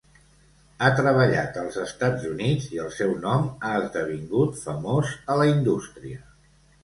Ha treballat als Estats Units i el seu nom ha esdevingut famós a la indústria.